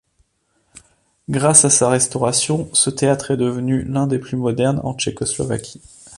Grâce à sa restauration, ce théâtre est devenu l'un des plus modernes en Tchécoslovaquie.